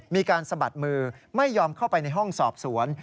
สะบัดมือไม่ยอมเข้าไปในห้องสอบสวน